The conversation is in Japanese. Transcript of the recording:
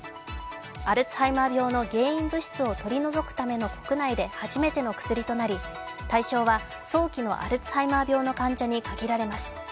アルツハイマー病の原因物質を取り除くための国内で初めての薬となり対象は早期のアルツハイマー病の患者に限られます。